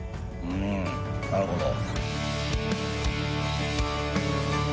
うんなるほど。